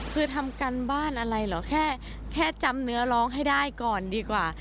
คือทำการบ้านอะไรเหรอแค่จำเนื้อร้องให้ได้ก่อนดีกว่า